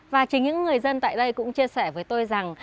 và chính những người dân tại đây cũng chia sẻ với tôi rằng